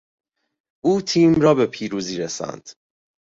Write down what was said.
او تیم را به پیروزی رساند.